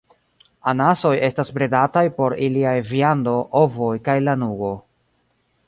Anasoj estas bredataj por iliaj viando, ovoj, kaj lanugo.